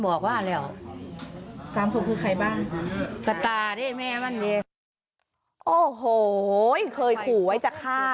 โอ้โหเคยขู่ไว้จะฆ่า